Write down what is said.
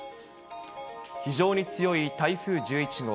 非常に強い台風１１号。